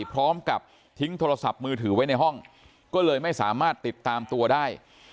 พร้อมกับทิ้งโทรศัพท์มือถือไว้ในห้องก็เลยไม่สามารถติดตามตัวได้